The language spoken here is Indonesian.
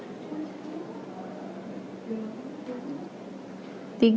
ini adalah adegan